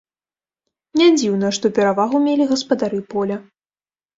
Не дзіўна, што перавагу мелі гаспадары поля.